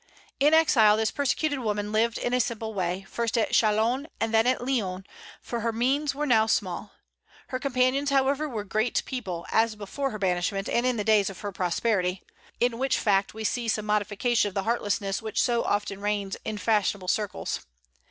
In exile this persecuted woman lived in a simple way, first at Chalons and then at Lyons, for her means were now small. Her companions, however, were great people, as before her banishment and in the days of her prosperity, in which fact we see some modification of the heartlessness which so often reigns in fashionable circles.